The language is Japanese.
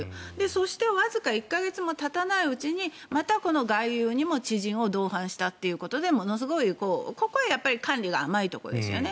そしてわずか１か月もたたないうちにまたこの外遊にも知人を同伴したというところでここがものすごい管理が甘いところですよね。